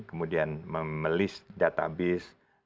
kemudian melist database